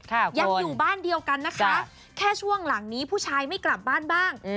ยังอยู่บ้านเดียวกันนะคะแค่ช่วงหลังนี้ผู้ชายไม่กลับบ้านบ้างอืม